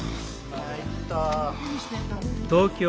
参った。